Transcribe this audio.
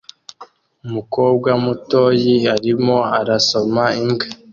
Umukobwa mutoyi arimo arasoma imbwa